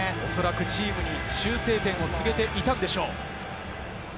チームに修正点を告げていたんでしょう。